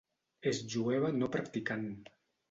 És jueva no practicant.